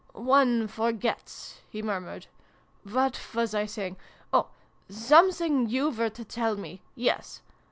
" One forgets," he murmured. " W T hat was I saying ? Oh ! Some thing you were to tell me. Yes.